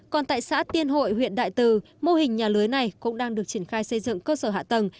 còn tại xã tiên hội huyện đại từ mô hình nhà lưới này cũng đang được triển khai xây dựng cơ sở hạ tầng